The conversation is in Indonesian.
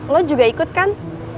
lo juga ikut kan